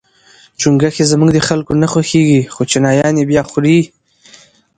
چونګښي زموږ د خلکو نه خوښیږي خو چینایان یې با خوري.